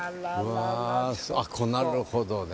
うわああっなるほどね。